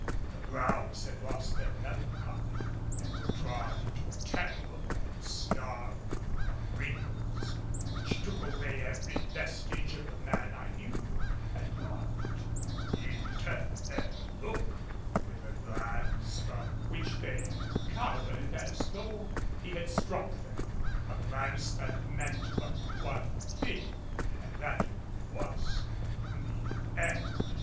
The brows had lost their melancholy and were drawn into a tangle and snarl of wrinkles, which took away every vestige of the man I knew and loved. He returned their look with a glance from which they cowered as though he had struck them; a glance that meant but one thing, and that was the end.